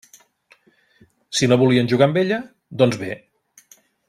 Si no volien jugar amb ella, doncs bé!